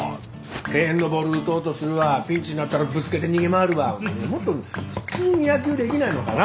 敬遠のボール打とうとするわピンチになったらぶつけて逃げ回るわもっと普通に野球できないのかな！？